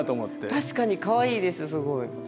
確かにかわいいですすごい。